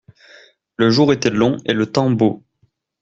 Le jour était long et le temps beau.